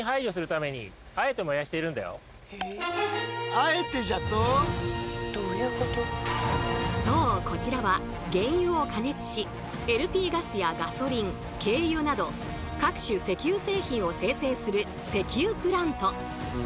あれはねそうこちらは原油を加熱しＬＰガスやガソリン軽油など各種石油製品を精製する石油プラント。